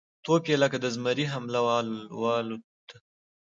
توپ یې لکه د زمري حمله والوته